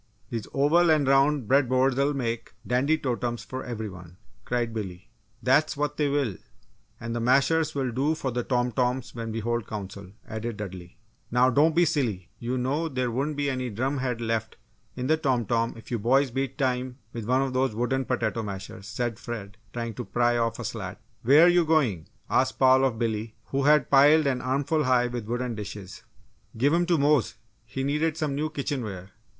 These oval and round bread boards'll make dandy totems for every one!" cried Billy. "That's what they will; and the mashers will do for the tom toms when we hold Council," added Dudley. "Now don't be silly you know there wouldn't be any drum head left in the tom tom if you boys beat time with one of those wooden potato mashers," said Fred, trying to pry off a slat. "Where're you going?" asked Paul of Billy, who had piled an armful high with wooden dishes. "Give 'em to Mose he needed some new kitchenware!"